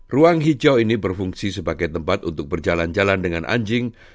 ruang hijau ini berfungsi sebagai tempat untuk berjalan jalan dengan anjing